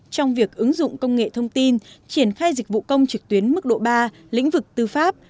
trong việc ứng dụng công nghệ thông tin triển khai dịch vụ công trực tuyến mức độ ba lĩnh vực tư pháp